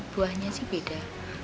buahnya sih beda